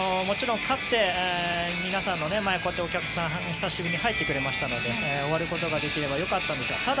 もちろん勝って皆さんの前に、お客さんが久しぶりに入ってくれましたので終わることができれば良かったんですが。